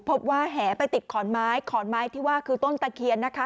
ว่าแหไปติดขอนไม้ขอนไม้ที่ว่าคือต้นตะเคียนนะคะ